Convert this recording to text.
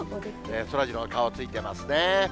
そらジローの顔ついてますね。